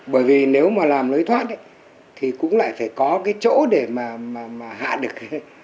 bởi vì nếu mà làm lối thoát thì cũng lại phải có cái chỗ để mà hạ được